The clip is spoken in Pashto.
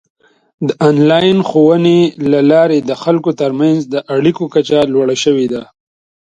د آنلاین ښوونې له لارې د خلکو ترمنځ د اړیکو کچه لوړه شوې ده.